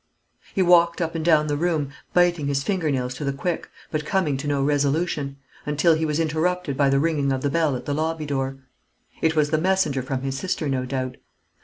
He walked up and down the room, biting his finger nails to the quick, but coming to no resolution, until he was interrupted by the ringing of the bell at the lobby door. It was the messenger from his sister, no doubt.